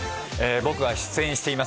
僕が出演しています